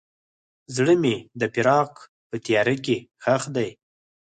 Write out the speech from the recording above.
زړه مې د فراق په تیاره کې ښخ دی.